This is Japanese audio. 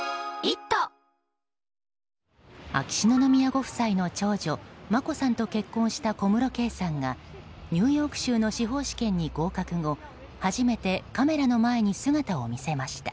秋篠宮ご夫妻の長女眞子さんと結婚した小室圭さんがニューヨーク州の司法試験に合格後初めてカメラの前に姿を見せました。